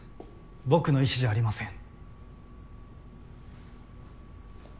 僕の意志じゃありません。